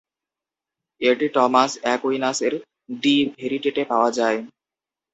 এটি টমাস অ্যাকুইনাসের De Veritate পাওয়া যায়।